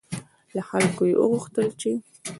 له خلکو یې وغوښتل چې